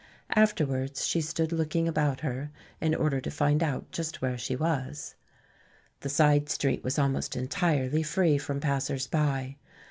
Afterwards she stood looking about her in order to find out just where she was. The side street was almost entirely free from passers by.